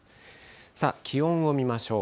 さあ、気温を見ましょう。